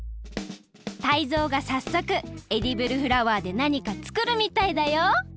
タイゾウがさっそくエディブルフラワーでなにかつくるみたいだよ！